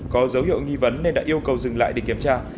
có dấu hiệu nghi vấn nên đã yêu cầu dừng lại để kiểm tra